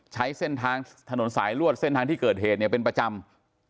ใช้เส้นทางถนนสายลวดเส้นทางที่เกิดเหตุเนี่ยเป็นประจำ